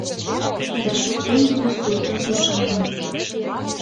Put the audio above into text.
Да шуктен тудо суртын ӱшаным